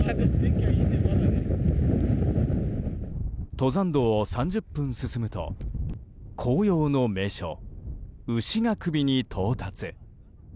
登山道を３０分進むと紅葉の名所、牛ヶ首に到達。